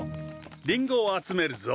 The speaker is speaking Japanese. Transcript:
リンゴを集めるぞ。